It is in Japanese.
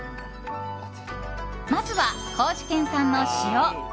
まずは、高知県産の塩。